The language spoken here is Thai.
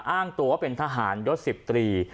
อ้างตัวเป็นทหารยกสิบตรี